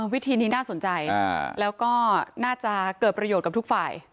วิธีนี้น่าสนใจแล้วก็น่าจะเกิดประโยชน์กับทุกฝ่าย